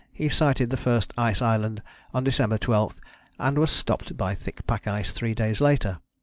he sighted the first ice island on December 12, and was stopped by thick pack ice three days later.